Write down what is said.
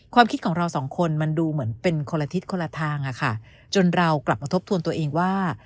คิดของเราสองคนมันดูเหมือนเป็นคนละทิศคนละทางอะค่ะจนเรากลับมาทบทวนตัวเองว่า